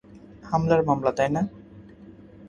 হামলার মামলা, তাই না?